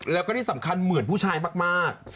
แล้วก็ที่สำคัญเหมือนผู้ชายมาก